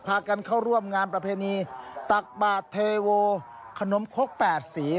พากันเข้าร่วมงานประเพณีตากบาธรรมเทโว้ขนมคร็ก๘สี